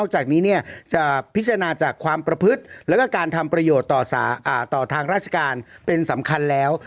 จากนี้จะพิจารณาจากความประพฤติแล้วก็การทำประโยชน์ต่อทางราชการเป็นสำคัญแล้ว